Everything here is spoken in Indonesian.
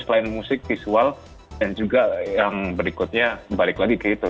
selain musik visual dan juga yang berikutnya balik lagi ke itu